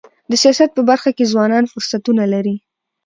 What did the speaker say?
د سیاست په برخه کي ځوانان فرصتونه لري.